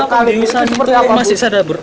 kenapa pandemi ini masih sadar bu